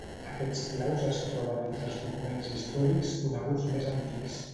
Aquests claus es troben entre els documents històrics coneguts més antics.